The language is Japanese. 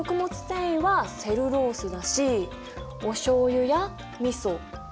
繊維はセルロースだしおしょうゆやみそお酢。